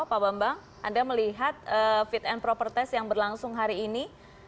pak bambang anda melihat fit and proper test yang berlangsung hari ini